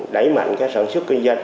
với mạnh các sản xuất kinh doanh